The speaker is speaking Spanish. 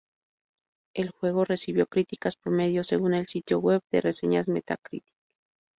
El juego recibió críticas "promedio" según el sitio web de reseñas Metacritic.